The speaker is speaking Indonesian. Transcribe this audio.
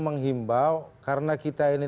menghimbau karena kita ini